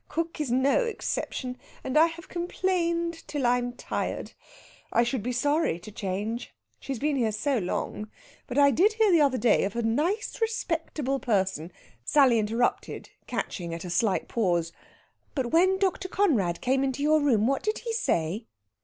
Cook is no exception, and I have complained till I'm tired. I should be sorry to change, she's been here so long, but I did hear the other day of such a nice respectable person...." Sally interrupted, catching at a slight pause: "But when Dr. Conrad came into your room, what did he say?"